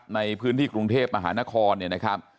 ในพื้นที่กรุงเทพมหานครเนี่ยนะครับ